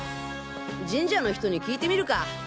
神社の人に聞いてみるか？